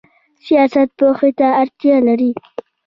سیاست پوهې ته اړتیا لري؟